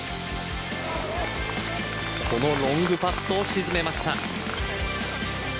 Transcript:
このロングパットを沈めました。